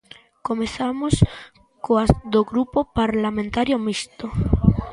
Comezamos coas do Grupo Parlamentario Mixto.